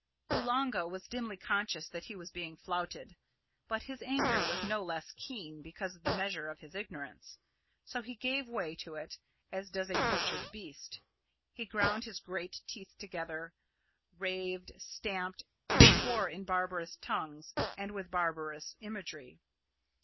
Oolanga was dimly conscious that he was being flouted; but his anger was no less keen because of the measure of his ignorance. So he gave way to it, as does a tortured beast. He ground his great teeth together, raved, stamped, and swore in barbarous tongues and with barbarous imagery.